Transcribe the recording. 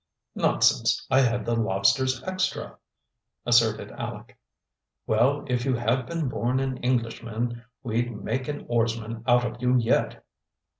"Nonsense! I had the lobsters extra!" asserted Aleck. "Well, if you had been born an Englishman, we'd make an oarsman out of you yet!"